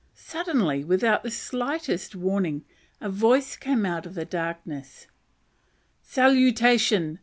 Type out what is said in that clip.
Suddenly, without the slightest warning, a voice came out of the darkness. "Salutation!